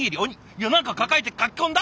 いや何か抱えてかき込んだ？